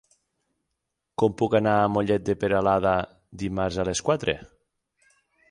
Com puc anar a Mollet de Peralada dimarts a les quatre?